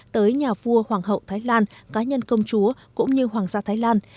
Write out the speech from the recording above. tới nhà vua hoàng hậu thái lan cá nhân công chúa cũng như hoàng gia thái lan